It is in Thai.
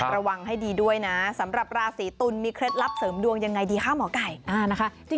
ระวังให้ดีด้วยนะสำหรับราศีตุลมีเคล็ดลับเสริมดวงยังไงดีคะหมอไก่นะคะ